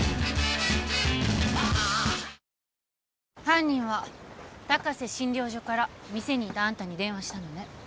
犯人は高瀬診療所から店にいたあんたに電話したのね。